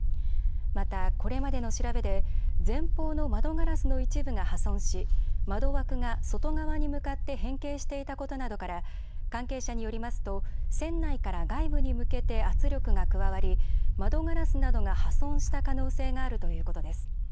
また、これまでの調べで前方の窓ガラスの一部が破損し窓枠が外側に向かって変形していたことなどから関係者によりますと船内から外部に向けて圧力が加わり窓ガラスなどが破損した可能性があるということです。